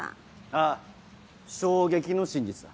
ああ衝撃の真実だ。